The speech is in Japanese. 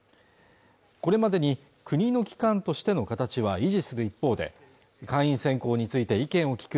これまでに国の機関としての形は維持する一方で会員選考について意見を聞く